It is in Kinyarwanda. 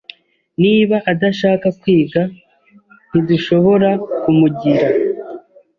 Niba adashaka kwiga, ntidushobora kumugira.